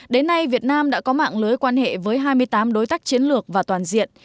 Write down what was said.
đến nay việt nam đã có mạng lưới quan hệ với hai mươi tám đối tác chiến lược và toàn diện